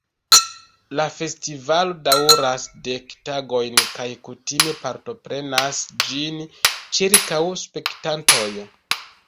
La festivalo daŭras dek tagojn kaj kutime partoprenas ĝin ĉirkaŭ spektantoj.